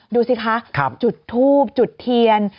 ดูสิคะจุดทูบจุดเทียน